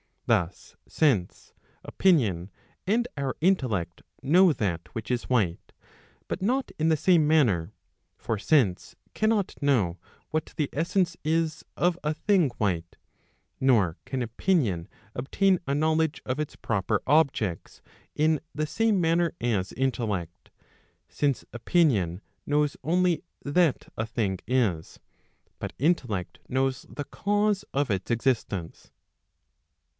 Thus sense, opi¬ nion and our intellect, know that which iswhite, but not in the same manner: for sense cannot know what the essence is of a thing white, nor can opinion obtain a knowledge of its proper objects in the same manner as intellect; since opinion knows only that a thing is, but intellect knows the cause of its existence.